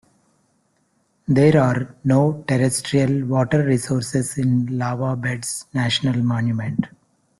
There are no terrestrial water resources in Lava Beds National Monument.